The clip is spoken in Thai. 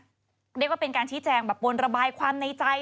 เรียกว่าเป็นการชี้แจงแบบปนระบายความในใจ